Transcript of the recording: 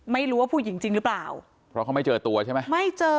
ไม่รู้ว่าผู้หญิงจริงหรือเปล่าเพราะเขาไม่เจอตัวใช่ไหมไม่เจอ